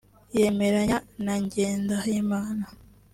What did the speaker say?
yemeranya na Ngendahimana